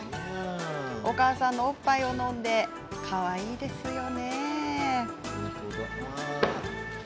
お母さんのおっぱいを飲んでかわいいですよね。